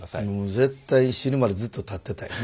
絶対に死ぬまでずっと立ってたいね。